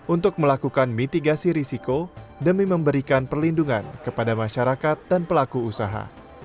untuk melakukan mitigasi risiko demi memberikan perlindungan kepada masyarakat dan pelaku usaha